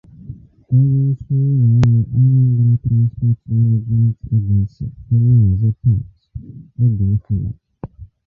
onyeisi ụlọọrụ 'Anambra Transport Management Agency' bụ Maazị Pat Obiefuna